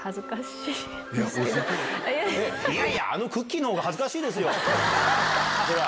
いやいや、あのクッキーのほうが恥ずかしいですよ、それは。